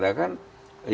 yang ke arah sana